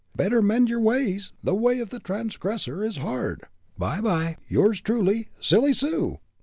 Better mend your ways. The way of the transgressor is hard. By by! Yours, truly, Silly Sue!"